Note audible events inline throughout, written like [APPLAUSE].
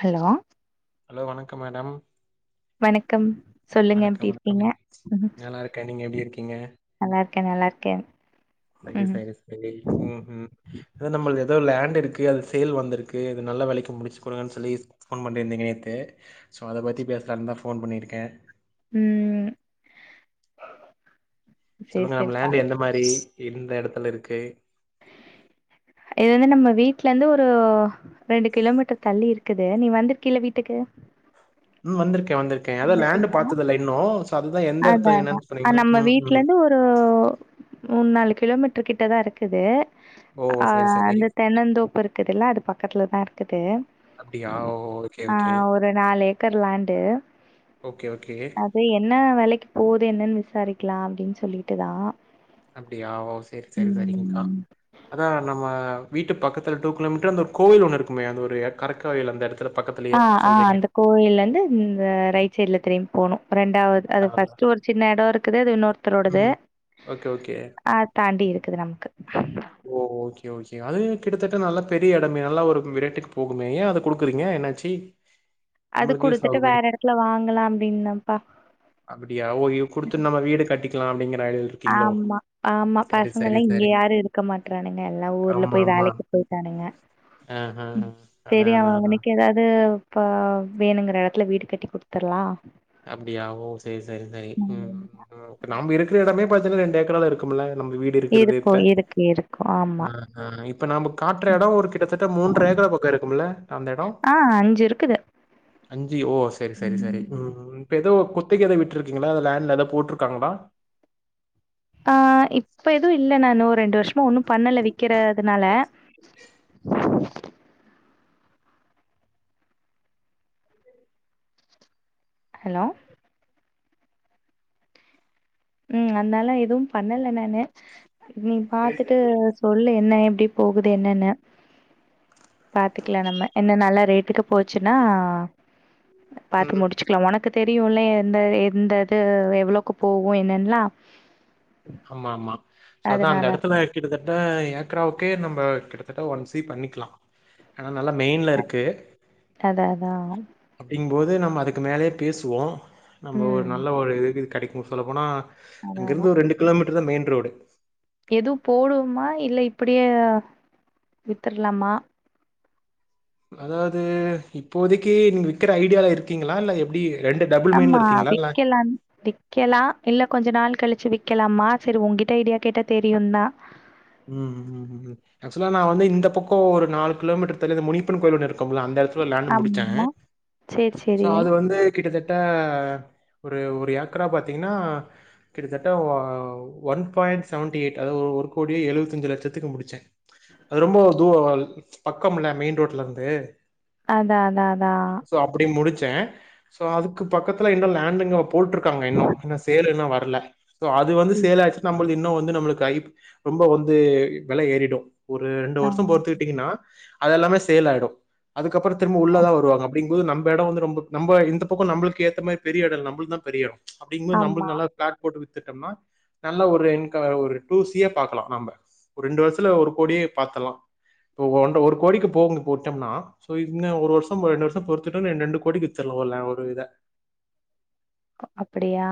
Hello hello வணக்க madam வணக்கம் சொல்லுங்க எப்டி வணக்கம் வணக்கம் இருக்கீங்க ம் நல்லா இருக்கேன் நீங்க எப்டி இருக்கீங்க நல்லாருக்க நல்லாருக்க சரி சரி சரி ம் ஹும் அத நம்மள்து எதோ லேண்ட் இருக்கு அது சேல் வந்துருக்கு இது நல்ல வெலைக்கு முடுச்சு குடுங்கன் சொல்லி ஃபோன் பண்ணிருந்தீங்க நேத்து ஸோ அத பத்தி பேசலாந்தா ஃபோன் பண்ணிருக்க ம் சேரி சொல்லுங்க நம்ம சேரிப்பா லேண்டு் எந்த மாரி எந்த எடத்துல இருக்கு இது வந்து நம்ம வீட்லருந்து ஒரு ரெண்டு கிலோமீட்டர் தள்ளி இருக்குது நீ வந்திருக்கீல வீட்டுக்கு ம் வந்திருக்க வந்திருக்க அதா லேண்டு வந்திருக்கீங்களா பாத்ததில்ல இன்னு இப்ப அதுதா எந்த எடத்துல என்னன் சொன்னீங்கன்னா ம் ம் ஸோ மூண் நாலு கிலோமீட்டர் கிட்டதா இருக்குது ஓ அ சரி சரி அந்த தென்னந்தோப்பு இருக்குதுல்ல அது பக்கத்துலதா இருக்குது அப்டியா ஓ ஓகே அ ஓகே ஒரு நாலு ஏக்கர் லேண்டு ஓகே ஓகே சரி என்னா வெலைக்கு போது என்னன் விசாரிக்கலா அப்டின் சொல்லிட்டுதா அப்டியா ஓ செரி செரி செரி்ங்க்கா ம் அதா நம்ம வீட்டு பக்கத்துல டூ கிலோமீட்டர் அந்த ஒரு கோயில் ஒண்ணு இருக்குமே அந்த ஒரு கரக்கு வழில அந்த எடத்துல ஆ ஆ அந்த கோயிலருந்து இந்த ரைட் சைட்ல திரும்பி போனு ரெண்டாவது அதான், அது அதான். ஃபர்ஸ்ட்டு ஒரு சின்ன எட இருக்குது அது இன்னொருத்தரோடது ம். Okay, okay. அத் தாண்டி இருக்குது நமக்கு ஓ ஓகே ஓகே அது கிட்டத்தட்ட நல்ல பெரிய எடமே நல்லா ஒரு ரேட்டுக்கு போகுமே ஏ அத குடுக்குறீங்க என்னாச்சி அது குடுத்துட்டு வேற எடத்துல வாங்கலா அப்டின்தாப்பா அப்டியா ஓ இது குடுத்துன் நம்ம வீடு கட்டிக்லா அப்டிங்கிற ஐடியால இருக்கீங்களோ? ஆமா ஆமா சரி, சரி, பசங்கல்லா இங்க சரி. யாரு இருக்க மாட்டறானுங்க எல்லா ஊர்ல ஆமா, போய் ஆமா. வேலைக்கு போய்ட்டானுங்க ஆஹ. ம் அதான், செரி அவ அதான், அதான். அவுனுக்கு ஏதாவ்து ப்ப வேணுங்கிற எடத்துல வீடு கட்டி குடுத்தர்லா அப்டியா ஒ செரி செரி செரி ம் ம் இப்ப நம்ப இருக்கிற எடமே பாத்தீன்னா ரெண்டு ஏக்கராது இருக்கும்ல்ல நம்ப வீட் கட்டி இருக்கிறது இருக்கு இருக்கு இருக்கு ஆமா ம் ம் இப்ப இப்ப நம்ப காட்டுற எடோ ஒரு கிட்டத்தட்ட மூன்று எக்கார பக்கோ இருக்கும்ல அந்த எடோ ஆ அஞ்சு இருக்குது அஞ்சி ஓ செரி செரி செரி ம் இப்ப ஏதோ குத்தக்கி எதை விட்டு இருக்கீங்களா அத லேண்ட்ல ஏத போட்டுருக்காங்களா ஆ இப்ப எதுவு இல்ல நானு ஒ ரெண்டு வர்ஷமா ஒன்னு பண்ணல விக்கிறதுனால சரி, ஹலோ உ அத்னால எதுவு பண்ணல நானு நீ சரி, பாத்துட்டு சரி. சொல்லு என்ன எப்டி போகுது என்னன்னு பாத்துக்லா நம்ம என்ன நல்லா ரேட்டுக்கு போச்சுன்னா பாத்து ம். முடிச்சு க்லா ஒனக்கு தெரியும்ல்ல எந்த எந்த இது எவ்வளவுக்கு போகு என்னன்னலா ஆமா ஆமா சோ அதா அந்த எடத்துல கிட்டத்தட்ட ஏக்ராவுக்கே நம்ம கிட்டத்தட்ட ஒன் சி பண்ணிக்கலா ஆனா நல்லா மெயின்ல இருக்கு அதா அதா அப்டிங்குபோது நம்ம அதுக்கு மேலயே பேசுவோ நம்ம ஒரு ம் நல்ல ஒரு இதுக்கு இது கெடைக்கு சொல்லப்போனா அதா அதா இங்கிருந்து ஒரு ரெண்டு கிலோ மீட்டர் தா மெயின் ரோடு எதுவு போடுவமா இல்ல இப்டியே வித்துரலாமா அதாவ்து இப்போதைக்கி நீங்க விக்ற ஐடியால இருக்கீங்ளா இல்ல எப்டி ஆமா விக்கால விக்கலா இல்ல கொஞ்சோ நாள் கழிச்சு விக்கலாமா சரி உன்கிட்ட ஐடியா கேட்ட தெரியு தா ம் ம் ம் ஆக்சுவலா நா வந்து இந்த பக்கோ ஒரு நாலு கிலோமீட்டர் தள்ளி இந்த முனிப்பன் கோயில் ஒன்னு இருக்குமுள்ள அந்த எடத் ஆக்சுவலா லேண்ட்டு முடிச்சே ஆமா சேரி சோ சேரி அது வந்து கிட்டத்தட்ட ஒரு ஒரு ஏக்கரா பாத்தீங்கன்னா கிட்டத்தட்ட ஒன் பாயிண்ட் செவன்டி எயிட் அதாவ்து ஒரு ஒரு கோடியே எழுவத் அஞ்சு லட்சத்துக்கு முடிச்சே அது ரொம்ப தூ [UNINTELLIGIBLE] பக்கமுள்ள மெயின் ரோட்ல இருந்து அதா அதா அதா சோ அப்டி முடிச்சே சோ அதுக்கு பக்கத்துல என்ன லேண்டு [UNINTELLIGIBLE] போட்ருக்காங்க இன்னு இன்னு சேல் இன்னோ வர்ல சோ அது வந்து சேல் ஆச்சினா நம்பள்து இன்னோ வந்து நம்பளுக்கு ஹை ரொம்ப வந்து வெல ஏறிடு ஒரு ரெண்டு ஆ வர்ஷ பொருத்துகிட்டீங்கன்னா அதெல்லாமே சேல் ஆயுடு அதுக்கப்பற திரும்ப உள்ளதா வருவாங்க அப்டிங்க போது நம்ப எடோ வந்து ரொம்ப நம்ம இந்த பக்கோ நம்பளுக்கு ஏத்த மாரி பெரிய எடோல்ல நம்பள்து தா பெரிய எட அப்டிங்கும்போது ஆமா. நம்புல்து நல்லா பிளாட் போட்டு வித்துடம்னா நல்ல ஒரு இன்கம் வர்ற ஒரு டூ சி ய பாக்கலா நம்ம ஒரு ரெண்டு வருஷத்துல ஒரு கோடியே பாத்துலா இப்போ ஒன்ற ஒரு கோடிக்கு போகுனு போட்டோம்னா சோ இன்ன ஒரு வர்ஷ [INAUDIBLE] ரெண்டு வர்ஷ பொறுத்துட்டு ரெண்டு கோடிக்கு வித்துர்லா ஒரு லன் ஒரு இத அப்டியா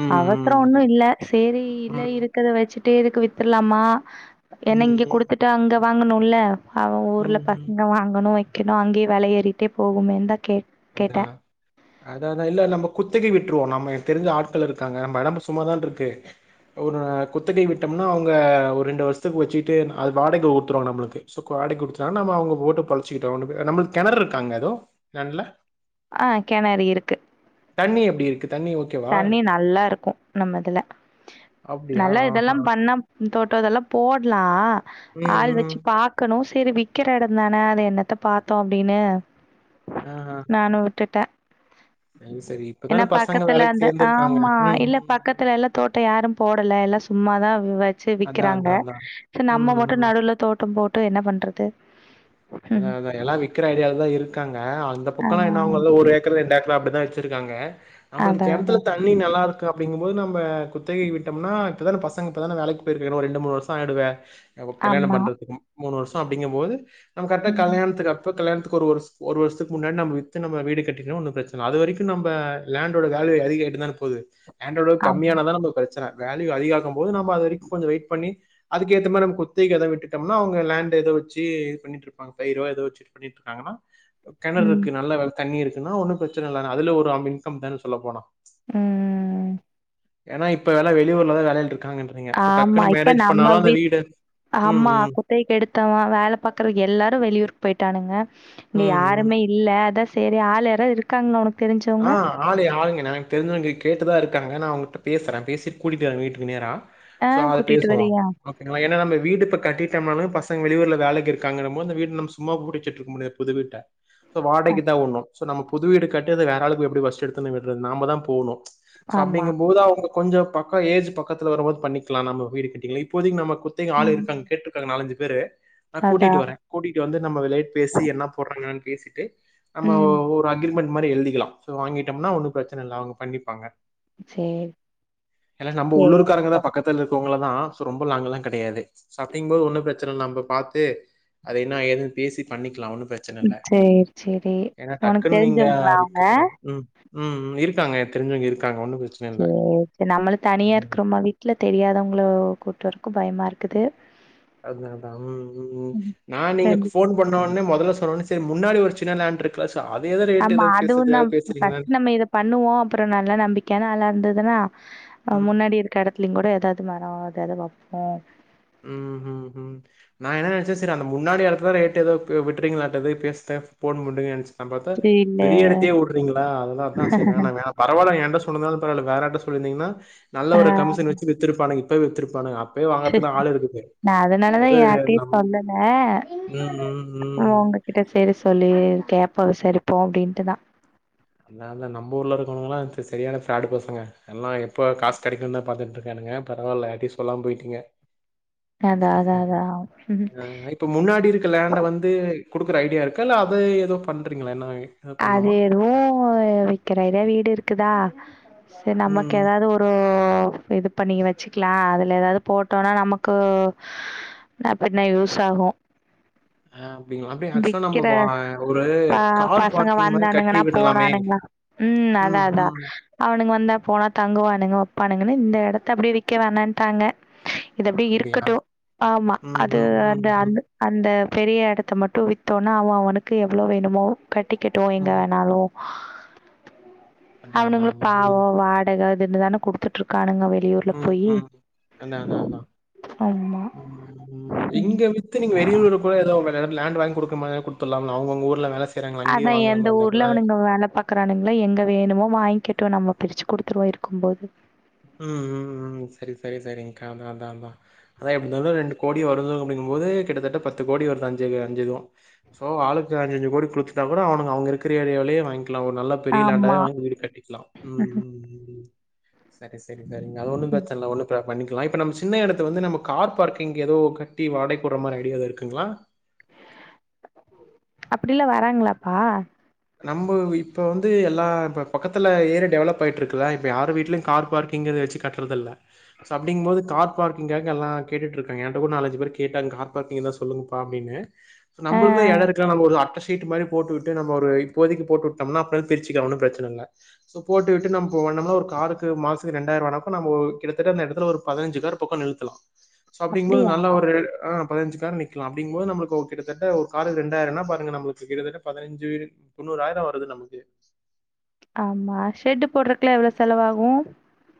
ம், அவசர ஒன்னு ம், இல்ல செரி இல்ல ம். இருக் க்கத வச்சுட்டே இதுக்கு வித்துரலாமா ம், ஏன்னா இங்க ம், குடுத்துட்டு அங்க வாங்கனுல்ல அவ ஊர்ல ம், ம். பசங்க வாங்கணு வைக்கணு அங்கேயே வெல ஏறிட்டே போகுமேன்னு தா கே அந்தா கேட்டேன். அதா அதா இல்ல நம்ப குத்தகி விட்ருவோ நம்ம எனக்கு தெரி்ஞ்ச ஆட்கள் இருக்காங்க நம்ப எடமு சும்மாதான்ருக்கு ஒரு குத்தகை விட்டம்னா அவுங்க ஒரு ரெண்டு வருஷத்துக்கு வச்சுட்டு அது வாடக உட்ருவாங்க நம்மளுக்கு சோ ஆடை குடுத்தா நம்ம அவுங்க போட்டு பொழ்ச்சுக்கிட்ட ஒ நம்மளுக்கு கெணறு இருக்கா அங்க எது நன்ல ஆ கெணறு இருக்கு தண்ணி எப்டி இருக்கு தண்ணி ஓகேவா? தண்ணி நல்லாருக்கு நம்ம இதுல அப்டியா? நல்லா இதெல்லா ஆஹா. பண்ணா தோட்டோ இதெல்லாம் போட்லா ம், ஆள் ம். வச்சி பாக் கணு செரி விக்கிற எடதான அத என்னத்த பாத்தோ அப்டின்னு அ அ நானு விட்டுட்ட சரி சரி இப்பதான பசங்க பக்கத்துல வேலைக்கு அந்த சேர்ந்திருக்காங்க. ஆமா ம், இல்ல ம், ம். பக்கத்துல எல்லா தோட்டோ யாரு போடல எல்லா சும்மாதா வெ ச்சு அதான், விக்கிறாங்க அதான், அதான். ச ம், நம்ம மட்டு ம். நடுல தோட்டோ போட்டு என்ன பண்றது அத ம். அதா எல்லா விக்கற ஐடியாலதா இருக்காங்க அந்த பக்கல்லா அதான். என்னாவோ அது ஒரு ம். ஏக்கரு ரெண்டு ஏக்கரு அப்டிதா வச் இருக்காங்க நம்மல்து அதான், கெணத்துல அதான். தண்ணி நல்லா இருக்கு அப்படிங்கம் போது நம்ம குத்தகை விட்டம்னா இப்பதான பசங்க இப்ப தான வேலைக்கு போயிருக்கு இன்னு ரெண்டு மூணு வருஷம் ஆய்டுவே கல்யாணம் ஆமா. பண்றக்கு மூணு வருஷோ அப்படிங்கம்போது நம்ம கரெக்டா ம். கல்யாணத்துக்கு அ அப்போ கல்யாண்த்துக்கு ஒரு வர்ஸ் ஒரு வருஷத்துக்கு முன்னாடி நம்ம எடத்துல நம்ம வீடு கட்டிக்கனு ஒன்னு பிரச்சனயில்ல அது வரிக்கு நம்ப லாண்டோட வேல்யு அதிக ஆய்ட்டுதான போது லேண்டோட ஆமா. கம்மியானதான நம்ம பிரச்சன வேல்யூ அதிகாக்கு போது நம்ம அது வரைக்கும் கொஞ்ச வெயிட் பண்ணி அதுக்கு ஏத்த மாரி நம்ம குத்தகைக்கு அத விட்டுட்டம்னா அவுங்க லேண்ட் எதோ வச்சு இது பண்ணிட்டு இரு பயிறோ எதோ வச்சிட்டு பண்ணிட்ருக்காங்கன்னா கெணறு ம். இருக்கு நல்லா தண்ணி இருக்குன்னா ஒன்னு பிரச்சன இல்ல அதுல ஒரு இன்கம் தான சொல்ல போனா ம் ஏன்னா இப்ப வெல வெளியூர்லதா வேலைல இருக்காங்க நீங்க இப்ப ஆமா. டக்குன்னு இப்ப மேரேஜ் பண்ணாலு அந்த வீடு ம் ம் தகைக்கு எடுத்தவ வேல பாக்கற எல்லாரு வெளியூருக்கு போயிட்டானுங்க இங்க ம் ம் யாருமே இ இல்ல அதா செரி ஆள் யாரோ இருக்காங்ளா உனக் ஆ தெரிஞ்சவங்க ஆளு ஆளுங்க எனக்கு தெரிஞ்சவங்க கேட்டுதா இருக்காங்க நா அவுங்கள்ட்ட பேசறே பேசி கூட்டிட்டு வர வீட்டுக்கு நேரா ஆ சோ அது கூட்டிட்டு பேசுவோ வரியா? ங்களா ஏன்னா நம்ம வீடு இப்ப கட்டிட்டம்னால பசங்க வெளியூர்ல வேலைக்கு இருக்காங்கன்னும்மோ அந்த வீட்டு நம் சும்மா புடிச்சிட்டுருக்க முடியாது புது வீட்ட சோ ஆ, வாடைக்குதாவுட்னு சோ நம்ம புது வீடு கட்றத வேறாளுக்கு எப்டி ஃபர்ஸ்ட் எடுத்தவுட்னே விட்ரது நாமதா போணு சோ ஆமா. அப்டிங்கம் போதுஅவுங்க கொஞ்சோ பக்கோ ஏஜ் பக்கத்துல வரும்போது பண்ணிக்கலா நம்ம வீடு கிட்டியே இப்போதைக்கு நம்ம ஆள் ம். இருக்காங்க கேட்டு இருக்காங்க நாலஞ்சு பேரு நா கூட்டிட்டு அதான். வர கூட்டிகிட்டு வந்து நம்மலேட் பேசி என்னா போட்றாங்கன்னு பேசிட்டு நம்ம ஒ ம். ஒரு அக்ரிமெண்ட் மாரி எழ்திக்கலா சோ வாங்கிட்டம்னா ஒன்னு பிரச்சன இல்ல அவுங்க பண்ணிப்பாங்க சரி. எல்லா நம்ப உள்ளூருக்காரங்களா சேரிப்பா பக்கத் க்கத்துல இருக்கவங்கள தா சோ ரொம்ப லாங்கல்லா கெடையாது சோ அப்டிங்கும்போது ஒண்ணு பிரச்சனல்ல நம்ப பாத்து அத என்ன ஏது பேசி பண்ணிக்கலா ஒன்னு பிரச்சனல்ல சேரி சேரி ஏன்னா உனக்கு டக்குன்னு நீங்க தெரிஞ்சவங்களா அவங்க விக் ம் ம்ம் இருக்காங்க தெரிஞ்சவங்க இருக்காங்க ஒண்ணு பிரச்சு சேர் செரி நம்மளு தனியா இருக்கறமா வீட்ல தெரியாதவங்கள கூட்றக்கும் பயமா இருக்குது அதா அதா ம் ம் நா நீங்க ரெண்டு பேர். ஃபோன் பண்ணோன்னே மொதல்ல சொன்னோன்னே சரி முன்னாடி ஒரு சின்ன லேண்ட் இருக் கசா அது எதோ ரேட் ஆமா எதோ அதுவுந்தா பேசதுக்காக பேசுறீங்களா ஃபர்ஸ்ட் நம்ம இத பண்ணுவோ அப்றோ நல்லா நம்பிக்கையான ஆளா இருந்ததுன்னா ம். முன்னாடி இரு கெடத்துலியுங் கூட எதாது மரோ எதாவது பாப்போ உ உ உ நா என்ன நினைச்சே சரி அந்த முன்னாடி இடத்துல ரேட்டு விட்டுங்கள பே போட நினைச்சே சம்பத்த இல்ல பெரிய இடத்தையே ஓடுறீங்களா அதனால தா செய்வே நா வேற பரவால என்ன சொல்லிந்தாலு பரவால வேறிட்ட சொல்லிருந்தீங்கன்னா நல்ல ஆ ஒரு கமிஷன் வச்சு வித் இருப்பானுங்க இப்பவே வித்துருப்பானங்க அப்பே நா அதுனாலதா யார்டயு ஏதோ சொல்லல ம் ம் ம் உங்க கிட்ட செரி சொல்லி கேட்ப சேரிப்போ அப்டின்ட்டுதா அத நம் ஊர்ல இருக்கவுங்களல்லா சரியானஃபிராடு பசங்க எல்லா எப்போ காஸ் கெடைக்குதா பாத்துட்டுருக்கானுங்க பரவால்ல யார்டயு சொல்லாம போய்ட்டிங்க அதா அதா அதா இப்போ முன்னாடி இருக்க லேண்டை வந்து கொடுக்குற ஐடியா இருக்கு இல்ல அதை ஏதோ பண்றீங்களா என்ன ஏதோ அது பண்ணுமா எதுவு விக்கிற வீடு இருக்குதா சரி நமக்கு ம் ஏதாவது ஒரு அற இது பண்ணிங்க வச்சுக்கலா அதுல ஏதாவது போட்டோனா நமக்கு நா அப்டினா யூஸ் ஆகு அ அப்டிங்களா அப்ப ஆக்சரா நம்ம ஒரு ப கார் பசங்க பார்க்கிங் மாரி கட்டி வந்தானுங்கன்னா விடலாமே போனானுங்கா உ அதா ம் அதா ம் அவனுங்க வந்தா போனா தங்குவானுங்க வைப்பானுங்கன்னு இந்த இடத்த அப்படியே விற்க வேணட்டாங்க இது அப்டி அப்டியா இருக்கட்டு ஆமா ம் அது ம் ம் அந்த ம் அந்த அந்த பெரிய இடத்த மட்டு வித்தோனா அவன் அவனுக்கு எவ்வளோ வேணுமோ கட்டிக்கட்டு எங்க ம் வேணாலு அதா அதா அவுனுங்களு அதா பாவோ ம் வாடக அதுஇதுன்னுதானே குடுத்துட்டு இருக்கானுங்க வெளியூர்ல ம் போயி ம் அதா அதா அதா ஆமா ம். இங்க வித்து நீங்க வெளியூர் இப்போ ஏதோ லேண்ட் வாங்கி கொடுக்குறமாரி குடுத்துரலாம்ல அவுங்க அவுங்க ஊர்ல வேலை செய் அதா எந்த ஊர்லனுங்க வேலை பாக் க்ரானுங்களா எங்க வேணுமோ வாங்கிக்கட்டு நம்ம பிரிச்சு குடுத்துருவோ இருக்கு போது உ உ உ சேரி சேரி சேரிங்க்கா அதா அதா அதா அதா எப்டி இருந்தாலு ரெண்டு கோடி வருதுங்குபோது கிட்டத்தட்ட பத்து கோடி வருது அஞ்சு அஞ்சுது ஸோ ஆளுக்கு அஞ்சஞ்சு கோடி கொடுத்துட்டா கூட அவுங்கக்கிற இடைாவிலையே வாங்கிக்கலா அவ நல்ல பெரிய லேண்டாவே ஆமா. வாங்கி வீடு கட்டிக்கலா உ உ உ சேரி சேரி சேரிங்க அது ஒன்னும் பிரச்சனை இல்ல ஒன்னு பிராப்ள பண்ணிக்கலா இப்ப நம்ம சின்ன இடத்து வந்து நம்மார் பார்க்கிங் ஏதோ கட்டி வாகைடுற மாதிரி ஐடியாவதுக்குங்களா அப்படில்லா வராங்களாப்பா நம்ம இப்ப வந்து எல்லா இப்ப பக்கத்துல ஏரியா டெவலப் ஆயிட்டு இருக்குல இப்ப யார்ரு வீட்லேயு கார் பார்கிங் வச்சு கட் ட்டதுல்ல அப்படிங்கும் போது கார்பார்கிங்காக எல்லாம் கேட்ருக்கங்க என்ட்ட கூட நால்சு பேரங்க கார்பார்க்கிங் இருந்த சொல்லுங்கப்பா அப்டின்னு ஆ நம்மளுக்குதா இடம் இருக்க போது நம்ம ஒரு அட்டை சீட் மாதிரி போட்டு விட்டு நம்ம ஒரு இப்போதைக்கு போட்டு விட்டோம்னா அப்றோ பிரிச்சிக்கலா ஒன்னு பிரச்சன இல்ல ஸோ போட்டுவிட்டு நம்ம போண்ணோம்ல ஒரு காருக்குசத்துக்கு ரெண்டாயிரம் ஆ நம் ஒரு கிட்டத்தட்ட அந்த இடத்துல ஒருதிஞ்சு பே பக்கோ நின்னுகலாம் சோ அப்படிங்கு போது அப்படியா? நல்ல ஒரு ஆ பதினஞ்சு கார்ரு நிக்கலா அப்படிங்கபோது நம்ம கிட்டத்தட்ட ஒரு காருக்கு ரெண்டாயிரம்னா பாருங்க நம்மளுக்கு கிட்டத்தட்ட பதினஞ்சு தொண்ணூறாயிரோவருது நமக்கு ஆமா ஷெட்டு போடுறத்துக்லா எவ்ளோ செலவாகு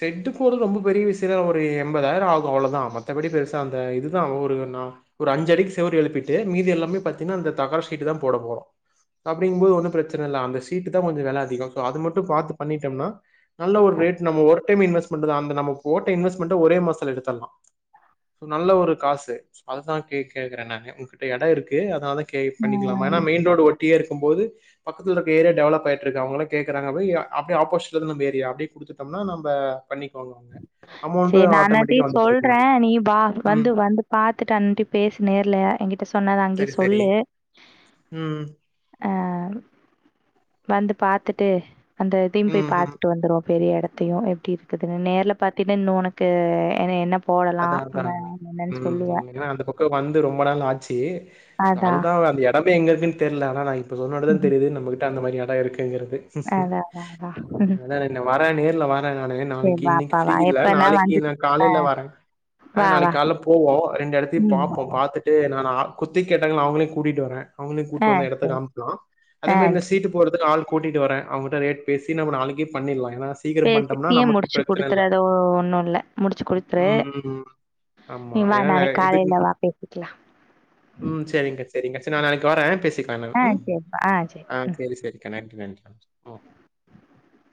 செட்டுபோடுரதுலா ஒருது ரொம்ப பெரிய விஷயத்து ஒரு எண்பதாயிரோ ஆகு அவ்வளவுதா மத்தபடி பெருசா அந்த இதுதா ஒருண்ணா ஒரு அஞ்சடிக்கி செவுர்ரு எழுப்பிட்டு மீது எல்லாமே பாத்தீங்கன்னா அந்த தகர சீட்டு தா போட போறோ அப்படிங்கும் போது ஒன்னு பிரச்சன இல்ல அந்த சீட்டு தா கொஞ்சோ வேல அதிகோ சோ அது மட்டும் பாத்து பண்ணிட்டோன்னா நல்ல ஒரு ரேட் நம்ம ஒரு டைம் இன்வெஸ்மெண்ட்தா அந்த நம்போ போட்ட இன்வெஸ்மெண்ட்ட ஒரே மாதத்துல எடுத்தர்ல்லா நல்ல ஒரு காசு அதுதா கே கேக்குறேன்னாங்க உங்கிட்ட எடோ இருக்கு அதா கே பண்ணிக்கலாமா ம். ஆனா மெயின் ரோடு ஒட்டியே இருக்கும்போது பக்கத்துலருக்க ஏரியா டெவலப்பாயிட்ருக்கு அவுங்களு கோங்கறாங்கங்கும் போது [UNINTELLIGIBLE] அப்படியே ஆப்போசிட்லருந்து நம்ப ஏரியா அப்டே குடுத்துட்டோம்னா நம்ப் ப பண்ணிக்கோங்க அவுங்க சேரி நா அண்ணன்டையு சொல்றே நீ வா ம் வந்து வந்து பாத்துட்டு அண்டையு பேசு நேர்ல எங்கிட்ட சொ சொன்னத அங்கே சரி சரி சொல்லு ம் அ வந்து பாத்துட்டு அந்த இதையு போய் ம் ம் பாத்துட்டு வந்துருவோ பெரிய எடத்தையு எப்டி இருக்குதுன்னு நேர்ல பாத் இன்னு உனக்கு என்ன என்ன போடலா அதான் அதான் [UNINTELLIGIBLE] ம் சொல்லுவ ம் ஏன்னா அந்த பக்கோ வந்து ரொம்ப நாளாட்ச்சி அதா அதுதா அந்த எத் [UNINTELLIGIBLE] எங்கருக்குன் தெர்ல ஆனா நா இப்போ சொன்னோன்ன தா தெரிது நம்மகிட்ட அந்த மாரி எடோ இருக்குங்கறது அதா அதா அதா [UNINTELLIGIBLE] வரே நேர்ல வரே நானு என் சரி நாளைக்கி இன்னைக்கி வாப்பா வா ஃப்ரீ இல்ல எப்பனா நாளைக்கி நா வந்துட்டு ஆ காலையில வரே ஆ வா வா நாளைக்கி கால்ல போவோ ரெண்டத்தையு ம் பாப்போ பாத்துட்டு நா குத்திக் கேட்டாங்கள்ல நா அவுங்களையு கூட்டிட்டு வரே அவுங்களையு ஆ கூப்ட்டு வந்த எடத்த சரி காம்க்லா அதே ஆ மேரி இந்த சரி சீட்டு போட்றத்துக்கு ஆள் கூட்டிட்டு வர அவ்ங்கிட்ட ரேட் பேசி நாம்ப நாளைக்கே பண்ணிர்லா ஏனா பே கிட்னயே முடிச்சு குடுத்துரத ஒன்னு இல்ல முடிச்சு குடுத்துரு ம் ம் ம் ஆமா நீ வா ஏன்னா நா நாளைக்கி இதுக்கு காலையில வா பேசிக்கலா சேரிங்கா சேரிங்கா சேர் நா நாளைக்கி வரே பேசிக்கலா எல்லாமு ஆ ம் சரிப்பா ஆ சரி அ சேரி சேரி கனெக்ட் [UNINTELLIGIBLE] ம் [INAUDIBLE]